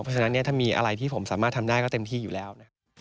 เพราะฉะนั้นถ้ามีอะไรที่ผมสามารถทำได้ก็เต็มที่อยู่แล้วนะครับ